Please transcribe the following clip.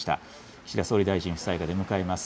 岸田総理大臣夫妻が出迎えます。